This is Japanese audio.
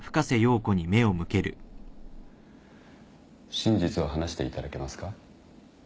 真実を話していただけますか。